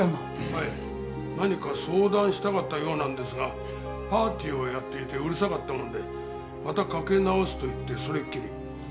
はい何か相談したかったようなんですがパーティーをやっていてうるさかったもんでまたかけ直すと言ってそれっきり。